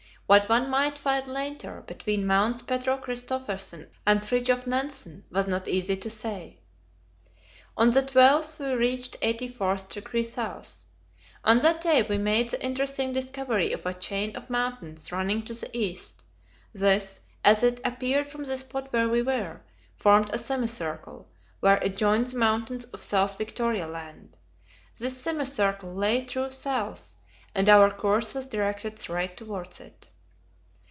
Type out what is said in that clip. What one might find later, between Mounts Pedro Christophersen and Fridtjof Nansen, was not easy to say. On the 12th we reached 84° S. On that day we made the interesting discovery of a chain of mountains running to the east; this, as it appeared from the spot where we were, formed a semicircle, where it joined the mountains of South Victoria Land. This semicircle lay true south, and our course was directed straight towards it.